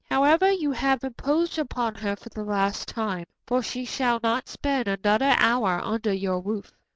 However, you have imposed upon her for the last time, for she shall not spend another hour under your roof."